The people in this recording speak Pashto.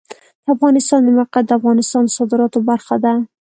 د افغانستان د موقعیت د افغانستان د صادراتو برخه ده.